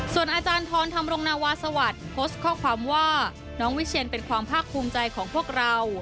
ส่วนอาจารย์ทรธรรมรงนาวาสวัสดิ์โพสต์ข้อความว่าน้องวิเชียนเป็นความภาคภูมิใจของพวกเรา